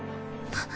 あっ。